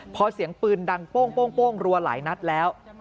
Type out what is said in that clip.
พอเสียงปืนดังโป้งรัวหลายนัดแล้ว